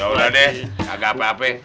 ya udah deh kagak apa apa